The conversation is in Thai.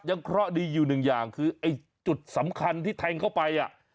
เคราะห์ดีอยู่หนึ่งอย่างคือไอ้จุดสำคัญที่แทงเข้าไปอ่ะ